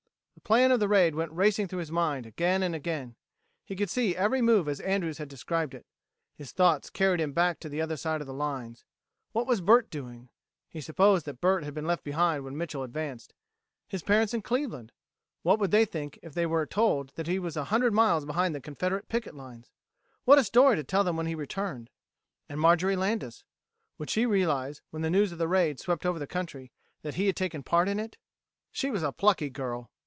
The plan of the raid went racing through his mind again and again; he could see every move as Andrews had described it. His thoughts carried him back to the other side of the lines. What was Bert doing? He supposed that Bert had been left behind when Mitchel advanced. His parents in Cleveland? What would they think if they were told that he was a hundred miles behind the Confederate picket lines? What a story to tell them when he returned! And Marjorie Landis? Would she realize, when the news of the raid swept over the country, that he had taken part in it? She was a plucky girl!